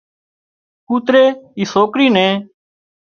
ڪوتري اِي سوڪري نين